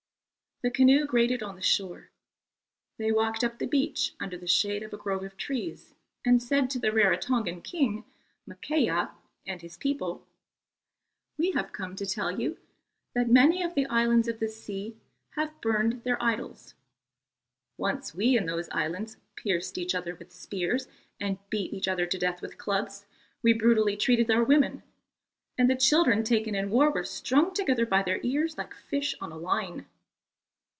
The canoe grated on the shore. They walked up the beach under the shade of a grove of trees and said to the Rarotongan king, Makea, and his people: "We have come to tell you that many of the islands of the sea have burned their idols. Once we in those islands pierced each other with spears and beat each other to death with clubs; we brutally treated our women, and the children taken in war were strung together by their ears like fish on a line.